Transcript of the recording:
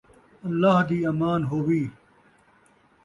اللہ دی امان ہووی